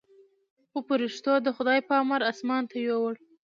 خو پرښتو د خداى په امر اسمان ته يووړ.